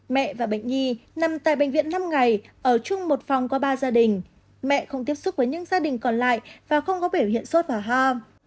mẹ và bệnh nhi nằm tại bệnh viện năm ngày ở chung một phòng có ba gia đình mẹ không tiếp xúc với những gia đình còn lại và không có biểu hiện sốt và ho